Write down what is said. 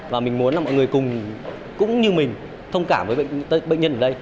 và mình muốn là mọi người cùng cũng như mình thông cảm với bệnh nhân ở đây